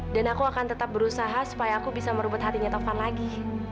dan aku akan tetap berusaha supaya aku bisa merebut hatinya tovan lagi